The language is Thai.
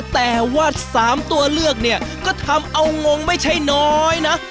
แต่ว่า๓ตัวเลือกเนี่ยก็ทำเอางงไม่ใช่น้อยนะ